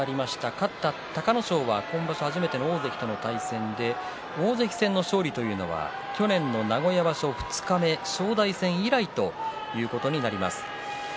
勝った隆の勝は今場所初めての大関との対戦で大関戦の勝利というのは去年の名古屋場所二日目正代戦以来ということになります。